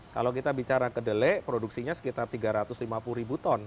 kalau kita bicara kedele produksinya sekitar tiga ratus lima puluh ribu ton